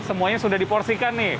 semuanya sudah diporsikan nih